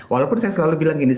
walaupun saya selalu bilang gini